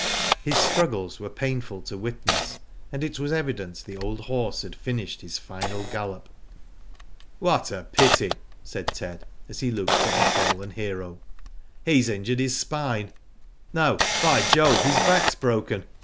His struggles were painful to witness, and it was evident the old horse had finished his final gallop. *'What a pity," said Ted, as he looked at the fallen hero. *' He's injured his spine. No, by Jove ! his back's broken.